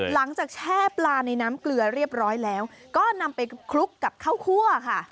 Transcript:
แช่ปลาในน้ำเกลือเรียบร้อยแล้วก็นำไปคลุกกับข้าวคั่วค่ะ